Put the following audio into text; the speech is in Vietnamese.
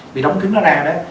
bị đóng cứng nó ra đó